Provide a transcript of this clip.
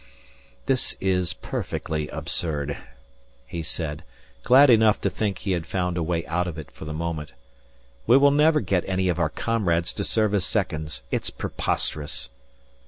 "This is perfectly absurd," he said, glad enough to think he had found a way out of it for the moment. "We will never get any of our comrades to serve as seconds. It's preposterous."